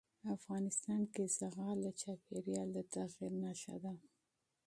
افغانستان کې زغال د چاپېریال د تغیر نښه ده.